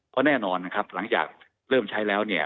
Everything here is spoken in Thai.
เพราะแน่นอนหลังจากเริ่มใช้แล้ว